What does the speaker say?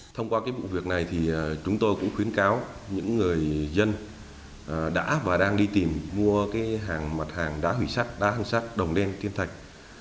thông qua cái vụ việc này thì chúng tôi cũng khuyến cáo những người dân đã và đang đi tìm mua cái hàng mặt hàng đá hủy sắt đá hăng sắt đồng đen tiên thạch